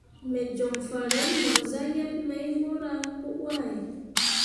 Me joŋ farel mor zah yeb mai mora pǝ wahe.